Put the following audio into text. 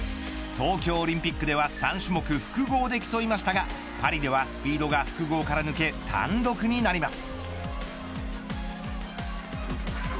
東京オリンピックでは３種目複合で競いましたがパリではスピードが複合から抜け単独になります。